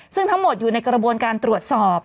ซึ่งทั้งหมดอยู่ในกระบวนการตรวจสอบ